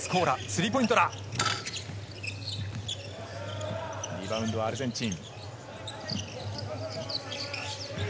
リバウンドはアルゼンチン。